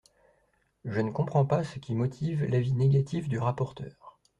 Je ne comprends pas ce qui motive l’avis négatif du rapporteur.